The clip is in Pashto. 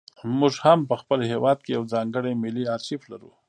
موږ هم په خپل هېواد کې یو ځانګړی ملي ارشیف لرو.